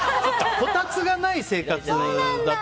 こたつがない生活だと。